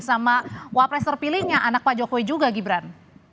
sama wapres terpilihnya anak pak jokowi juga gibran